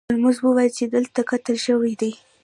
هولمز وویل چې دلته قتل شوی دی.